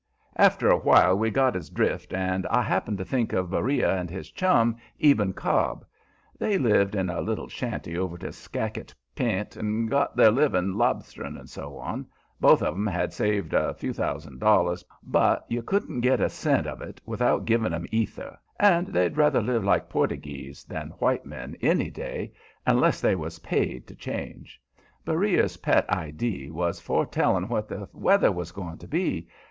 After a while we got his drift, and I happened to think of Beriah and his chum, Eben Cobb. They lived in a little shanty over to Skakit P'int and got their living lobstering, and so on. Both of 'em had saved a few thousand dollars, but you couldn't get a cent of it without giving 'em ether, and they'd rather live like Portugees than white men any day, unless they was paid to change. Beriah's pet idee was foretelling what the weather was going to be.